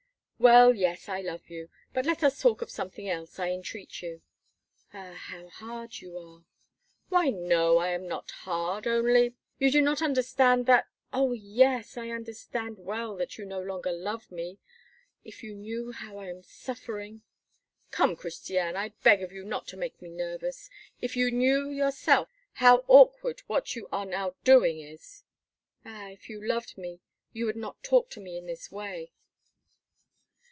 "Well, yes, I love you! But let us talk of something else, I entreat of you." "Ah! how hard you are!" "Why, no! I am not hard. Only only you do not understand you do not understand that " "Oh! yes! I understand well that you no longer love me. If you knew how I am suffering!" "Come, Christiane, I beg of you not to make me nervous. If you knew yourself how awkward what you are now doing is!" "Ah! if you loved me, you would not talk to me in this way."